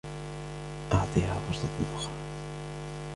أعطيها فرصة أخرى.